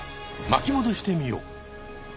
巻き戻してみよう。